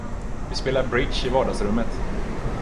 Vi spelade bridge i vardagsrummet.